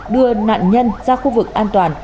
đưa nạn nhân ra khu vực an toàn